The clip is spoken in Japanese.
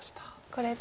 これで。